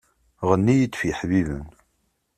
Ɣenni-yi-d ɣef yeḥbiben